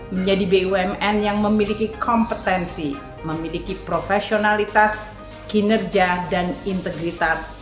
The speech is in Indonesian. menjadi bumn yang memiliki kompetensi memiliki profesionalitas kinerja dan integritas